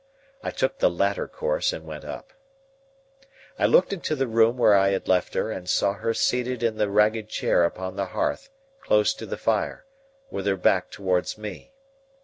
I took the latter course and went up. I looked into the room where I had left her, and I saw her seated in the ragged chair upon the hearth close to the fire, with her back towards me.